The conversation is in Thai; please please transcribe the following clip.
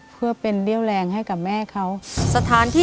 เพื่อเป็นเลี่ยวแรงให้กับแม่เขา